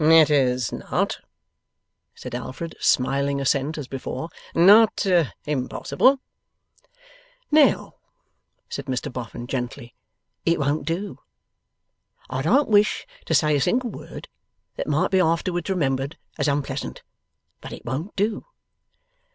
'It is not,' said Alfred, smiling assent as before, 'not impossible.' 'Now,' said Mr Boffin, gently, 'it won't do. I don't wish to say a single word that might be afterwards remembered as unpleasant; but it won't do.